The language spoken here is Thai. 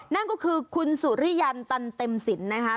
นั่นก็คือคุณสุริยันตันเต็มสินนะคะ